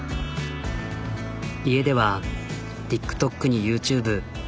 家ではＴｉｋＴｏｋにＹｏｕＴｕｂｅ。